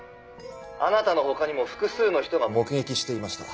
「あなたの他にも複数の人が目撃していました」